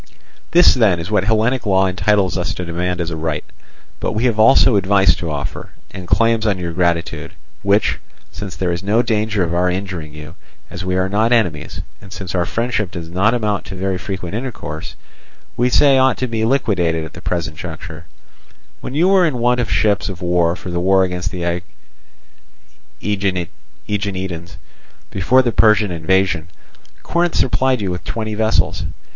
"This then is what Hellenic law entitles us to demand as a right. But we have also advice to offer and claims on your gratitude, which, since there is no danger of our injuring you, as we are not enemies, and since our friendship does not amount to very frequent intercourse, we say ought to be liquidated at the present juncture. When you were in want of ships of war for the war against the Aeginetans, before the Persian invasion, Corinth supplied you with twenty vessels.